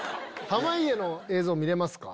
濱家の映像見れますか？